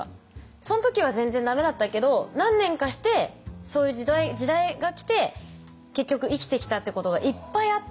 その時は全然駄目だったけど何年かしてそういう時代が来て結局生きてきたってことがいっぱいあって。